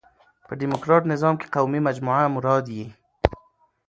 په ډيموکراټ نظام کښي قومي مجموعه مراد يي.